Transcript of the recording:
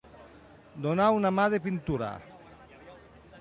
Donar una mà de pintura.